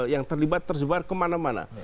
yang terlibat tersebar kemana mana